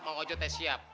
bang ojo tes siap